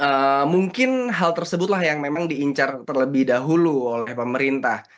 nah mungkin hal tersebutlah yang memang diincar terlebih dahulu oleh pemerintah